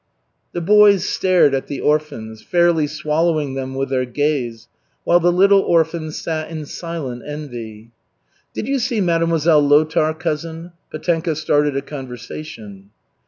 The boys stared at the orphans, fairly swallowing them with their gaze, while the little orphans sat in silent envy. "Did you see Mademoiselle Lotar, cousin?" Petenka started a conversation.